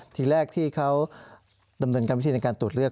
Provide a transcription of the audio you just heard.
ทีแรกที่เขาดำเนินการวิธีในการตรวจเลือก